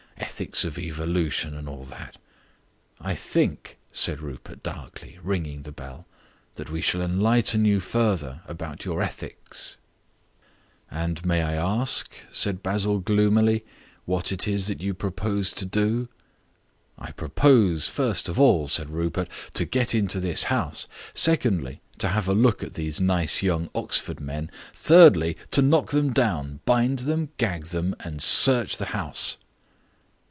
Ethics of evolution and all that." "I think," said Rupert darkly, ringing the bell, "that we shall enlighten you further about their ethics." "And may I ask," said Basil gloomily, "what it is that you propose to do?" "I propose, first of all," said Rupert, "to get into this house; secondly, to have a look at these nice young Oxford men; thirdly, to knock them down, bind them, gag them, and search the house."